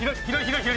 左！